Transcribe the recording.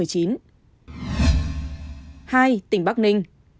hai tỉnh bắc ninh